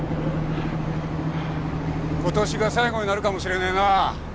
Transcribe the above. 今年が最後になるかもしれねえな。